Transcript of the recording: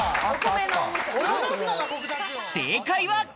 正解は。